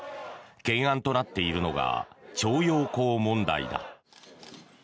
懸案となっているのが徴用工問題だ。